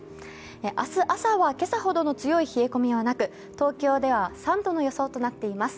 明日朝は今朝ほどの強い冷え込みはなく、東京では３度の予想となっています